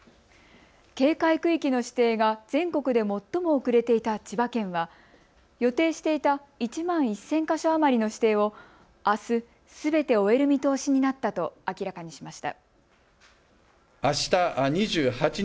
警戒区域の指定が全国で最も遅れていた千葉県は予定していた１万１０００か所余りの指定をあす、すべて終える見通しになったと明らかにしました。